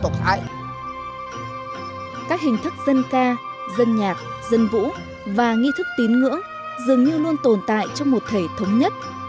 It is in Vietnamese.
các hình thức dân ca dân nhạc dân vũ và nghi thức tín ngưỡng dường như luôn tồn tại trong một thể thống nhất